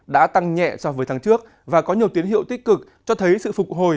đã tăng nhẹ so với tháng trước và có nhiều tiến hiệu tích cực cho thấy sự phục hồi